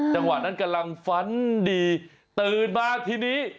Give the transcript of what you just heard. จังหวะนั้นกำลังฝันดีตื่นมาทีนี้